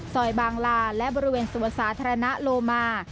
บางลาและบริเวณสวนสาธารณะโลมา